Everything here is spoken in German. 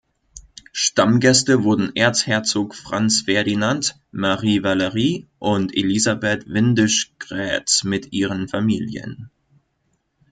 Stammgäste wurden Erzherzog Franz Ferdinand, Marie Valerie und Elisabeth Windisch-Graetz mit ihren Familien.